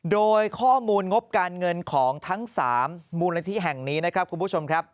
โดยข้อมูลงบการเงินของทั้ง๓มูลนิธิแห่งนี้นะครับคุณผู้ชมครับ